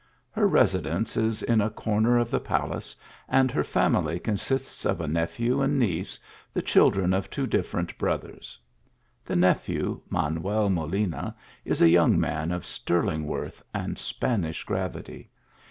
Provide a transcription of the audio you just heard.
Her residence is in a corner of the palace, and her family consists of a nephew and niece, the children of two different brothers. The nephew, Manuel Molina, is a young man of sterling worth and Spanish gravity.